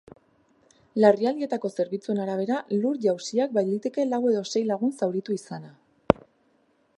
Larrialdietako zerbitzuen arabera, lur-jausiak baliteke lau edo sei lagun zauritu izana.